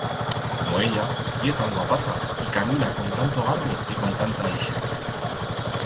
Como ella ye tan guapaza y camina con tanto garbo y con tanta ixes.